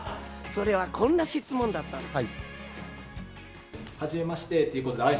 それはこんな質問だったんです。